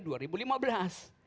jadi ini benar